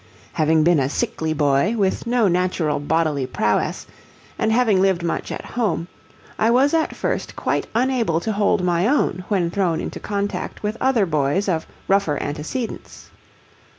Having been a sickly boy, with no natural bodily prowess, and having lived much at home, I was at first quite unable to hold my own when thrown into contact with other boys of rougher antecedents.